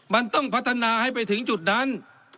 มันต้องพัฒนาให้ไปถึงจุดนั้น